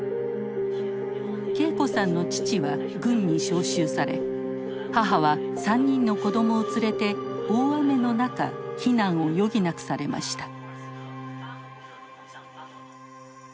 桂子さんの父は軍に召集され母は３人の子どもを連れて大雨の中避難を余儀なくされました。